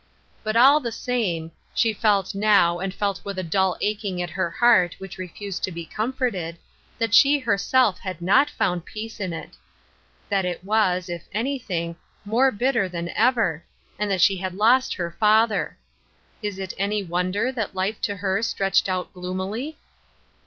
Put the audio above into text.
But all the same — she felt now, and felt with a dull aching at her heart which refused to be comforted, that she herself had not found peace in it ; that it was, if anything, more bitter than ever, and that she had lost her father. Is it any wonder that life to her stretched out gloomily